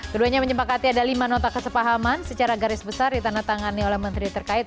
keduanya menyepakati ada lima nota kesepahaman secara garis besar ditandatangani oleh menteri terkait